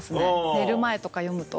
寝る前とか読むと。